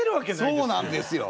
そうなんですよ。